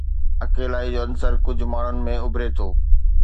اڪيلائي جو عنصر ڪجهه ماڻهن ۾ اڀري ٿو